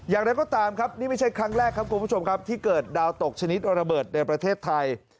อย่างนั้นก็ตามครับนี่ไม่ใช่ครั้งแรกที่เกิดดาวตกชนิดระเบิดในประเทศไทย